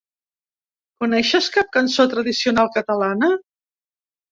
Coneixes cap cançó tradicional catalana?